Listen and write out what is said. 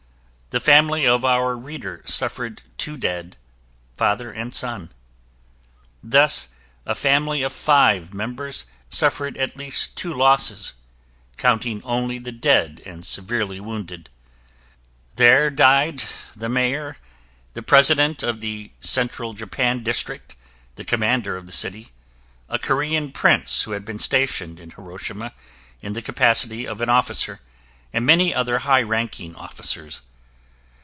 The family of our reader suffered two dead, father and son; thus a family of five members suffered at least two losses, counting only the dead and severely wounded. There died the Mayor, the President of the central Japan district, the Commander of the city, a Korean prince who had been stationed in Hiroshima in the capacity of an officer, and many other high ranking officers.